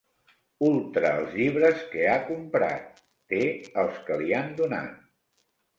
Ultra els llibres que ha comprat, té els que li han donat.